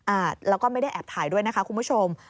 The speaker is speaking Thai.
แล้วก็ไม่ได้แอบถ่ายด้วยนะคะคุณผู้ชม